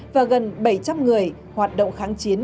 và gần bảy trăm linh người hoạt động kháng chiến